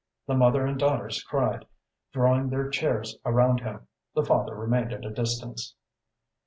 the mother and daughters cried, drawing their chairs around him. The father remained at a distance.